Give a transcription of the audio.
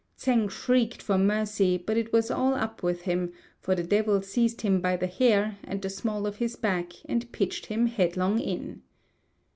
Tsêng shrieked for mercy, but it was all up with him, for the devil seized him by the hair and the small of his back and pitched him headlong in.